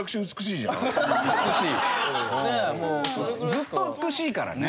ずっと美しいからね。